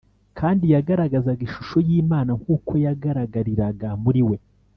kandi yagaragazaga ishusho y’Imana nk’uko yagaragariraga muri We